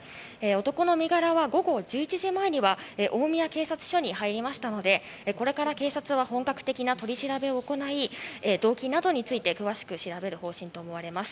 男の身柄は午後１１時前には大宮警察署に入りましたので、これから警察は本格的な取り調べを行い動機などについて詳しく調べる方針と思われます。